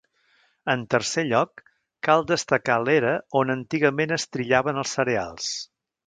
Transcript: En tercer lloc cal destacar l'era on antigament es trillaven els cereals.